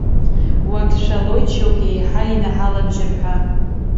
Уагьшәалоит шьоук еиҭа инаҳалабжьар ҳәа.